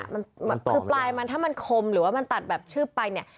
มันคือปลายมันถ้ามันคมหรือว่ามันตัดแบบชืบไปเนี่ย